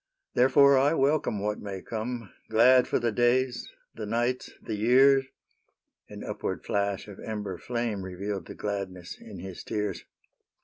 '' Therefore I welcome what may come, Glad for the days, the nights, the years."— An upward flash of ember flame Revealed the gladness in his tears.